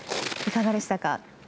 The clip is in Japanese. いかがでしたか。